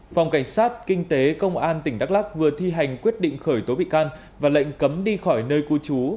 phòng cảnh sát kinh tế công an tỉnh đắk lắc vừa thi hành quyết định khởi tố bị can và lệnh cấm đi khỏi nơi cư trú